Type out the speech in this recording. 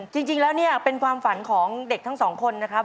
จริงแล้วเนี่ยเป็นความฝันของเด็กทั้งสองคนนะครับ